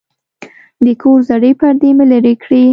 د کور زړې پردې مې لرې کړې.